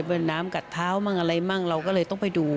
เป็นน้ำกัดเท้ามั่งอะไรมั่งเราก็เลยต้องไปดู